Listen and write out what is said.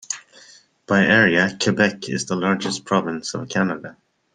By area, Quebec is the largest province of Canada.